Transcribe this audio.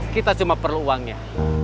kita cuma perlu uangnya